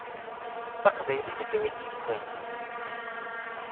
D taqbaylit i kem-id-yefkan.